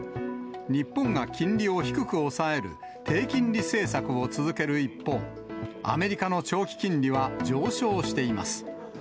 日本が金利を低く抑える低金利政策を続ける一方、アメリカの長期金利は上昇しています。